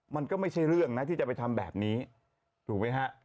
มันก็ไม่ใช่เรื่องนะที่จะไปทำแบบนี้ถูกไหมฮะ